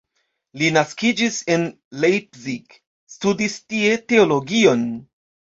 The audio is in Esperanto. Li naskiĝis en Leipzig, studis tie teologion.